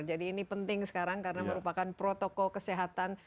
jadi ini penting sekarang karena merupakan protokol kesehatan